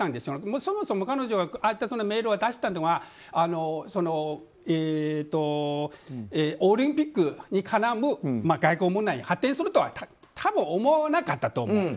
そもそも彼女がメールを出した時にはオリンピックに絡む外交問題に発展するとは多分思わなかったと思う。